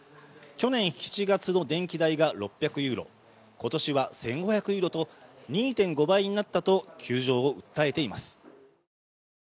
去年７月の電気代が６００ユーロ今年は１５００ユーロと２．５倍になったと窮状を訴えています。